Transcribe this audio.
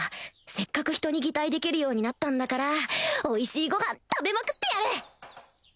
せっかく人に擬態できるようになったんだからおいしいごはん食べまくってやる！